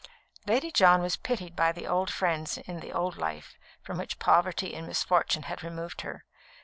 Lady John was pitied by the old friends in the old life from which poverty and misfortune had removed her.